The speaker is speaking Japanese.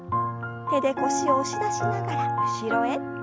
手で腰を押し出しながら後ろへ。